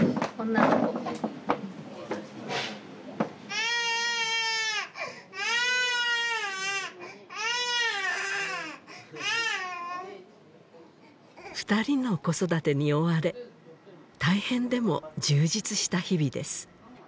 女の子２人の子育てに追われ大変でも充実した日々です